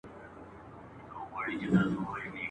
بیا به ښکلی کندهار وي نه به شیخ نه به اغیار وي ,